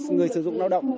người sử dụng lao động